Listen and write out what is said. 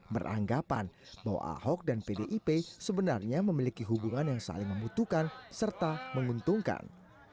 beranggapan bahwa ahok dan pdip sebenarnya memiliki hubungan yang saling membutuhkan serta menguntungkan